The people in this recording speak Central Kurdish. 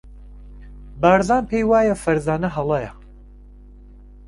بارزان پێی وایە فەرزانە هەڵەیە.